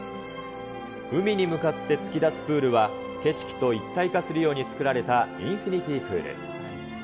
海に向かって突き出すプールは、景色と一体化するように作られたインフィニティプール。